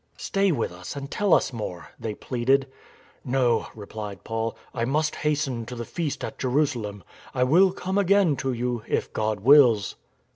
" Stay with us and tell us more," they pleaded. " No," replied Paul, " I must hasten to the Feast at Jerusalem. I will come again to you, if God wills."